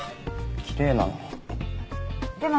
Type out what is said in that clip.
きれいなのに。